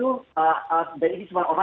kita harus kepada pni atau kepada ormas